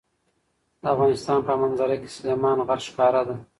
د افغانستان په منظره کې سلیمان غر ښکاره ده.